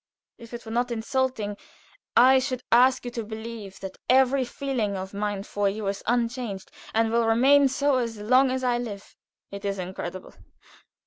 If it were not insulting I should ask you to believe that every feeling of mine for you is unchanged, and will remain so as long as I live." "It is incredible.